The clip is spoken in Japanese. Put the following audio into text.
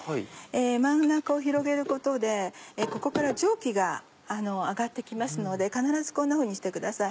真ん中を広げることでここから蒸気が上がって来ますので必ずこんなふうにしてください。